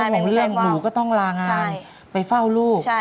หมู่ก็ต้องลางานไปเฝ้าลูก